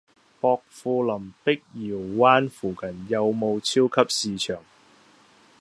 薄扶林碧瑤灣附近有無超級市場？